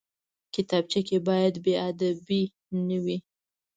کتابچه کې باید بېادبي نه وي